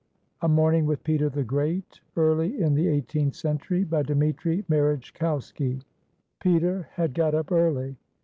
A MORNING WITH PETER THE GREAT [Early in the eighteenth century] BY DMITRI MEREJKOWSKI Peter had got up early.